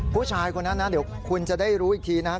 ผู้ชายคนนั้นนะเดี๋ยวคุณจะได้รู้อีกทีนะครับ